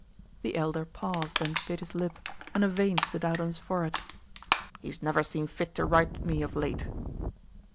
The Elder paused and bit his lip, and a vein stood out on his forehead. "He's never seen fit to write me of late."